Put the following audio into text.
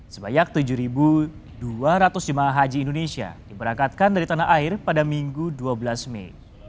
sebanyak tujuh dua ratus jemaah haji indonesia diberangkatkan dari tanah air pada minggu dua belas mei